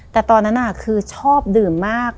แต่ตอนนั้นคือชอบดื่มมาก